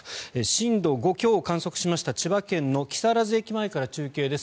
震度５強を観測しました千葉県の木更津駅前から中継です。